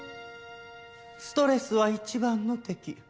ストレスは一番の敵。